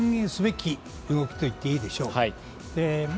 歓迎すべき動きと言っていいでしょう。